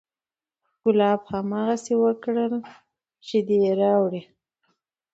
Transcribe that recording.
کلاب هماغسې وکړل، شیدې یې راوړې،